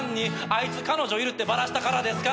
「あいつ彼女いるってバラしたからですか？」